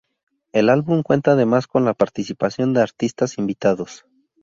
El álbum cuenta además con la participación de artistas invitados.